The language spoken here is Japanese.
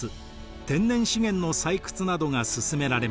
天然資源の採掘などが進められました。